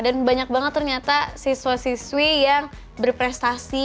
dan banyak banget ternyata siswa siswi yang berprestasi